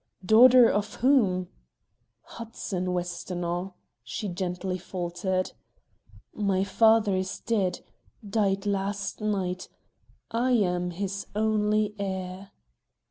"Daughter of whom?" "Hudson Westonhaugh," she gently faltered. "My father is dead died last night; I am his only heir."